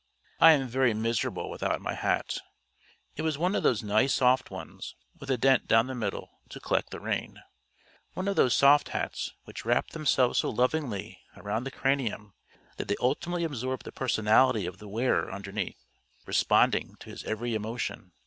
I am very miserable without my hat. It was one of those nice soft ones with a dent down the middle to collect the rain; one of those soft hats which wrap themselves so lovingly round the cranium that they ultimately absorb the personality of the wearer underneath, responding to his every emotion.